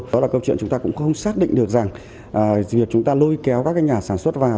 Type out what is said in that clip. đó là câu chuyện chúng ta cũng không xác định được rằng việc chúng ta lôi kéo các cái nhà sản xuất vào